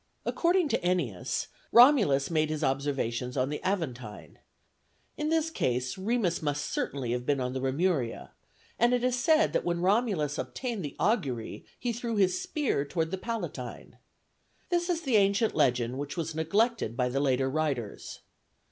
According to Ennius, Romulus made his observations on the Aventine; in this case Remus must certainly have been on the Remuria, and it is said that when Romulus obtained the augury he threw his spear toward the Palatine. This is the ancient legend which was neglected by the later writers.